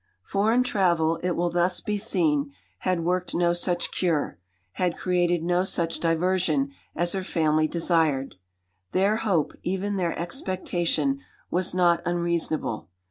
V Foreign travel, it will thus be seen, had worked no such cure, had created no such diversion, as her family desired. Their hope, even their expectation, was not unreasonable.